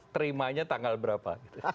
terimanya tanggal berapa